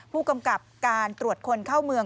ผู้กำกับการตรวจคนเข้าเมือง